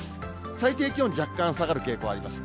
最低気温、若干下がる傾向あります。